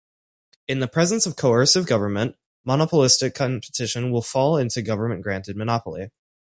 In the presence of coercive government, monopolistic competition will fall into government-granted monopoly.